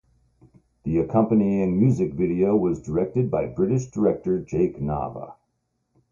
The accompanying music video was directed by British director Jake Nava.